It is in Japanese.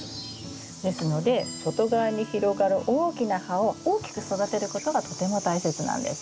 ですので外側に広がる大きな葉を大きく育てることがとても大切なんです。